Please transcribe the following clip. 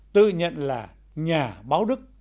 tự nhận là nhà báo đức